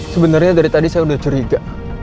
sebenarnya dari tadi saya sudah curiga